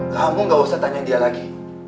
kamu gak usah tanya dia lagi